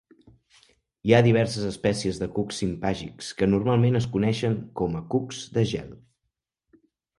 Hi ha diverses espècies de cucs simpàgics que normalment es coneixen com a cucs de gel.